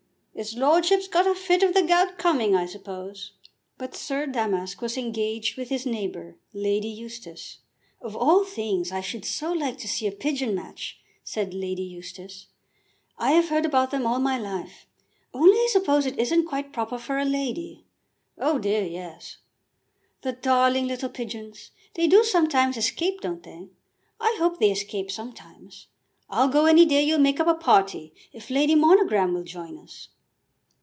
'Is lordship's got a fit of the gout coming, I suppose." But Sir Damask was engaged with his neighbour, Lady Eustace. "Of all things I should so like to see a pigeon match," said Lady Eustace. "I have heard about them all my life. Only I suppose it isn't quite proper for a lady." "Oh, dear, yes." "The darling little pigeons! They do sometimes escape, don't they? I hope they escape sometimes. I'll go any day you'll make up a party, if Lady Monogram will join us."